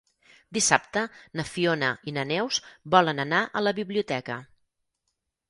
Dissabte na Fiona i na Neus volen anar a la biblioteca.